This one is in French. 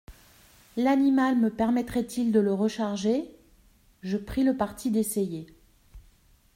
L'animal me permettrait-il de le recharger ? Je pris le parti d'essayer.